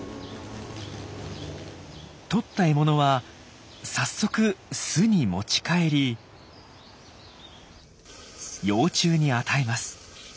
とった獲物は早速巣に持ち帰り幼虫に与えます。